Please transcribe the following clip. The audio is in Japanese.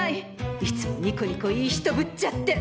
いつもニコニコいい人ぶっちゃって！